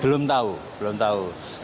belum tahu belum tahu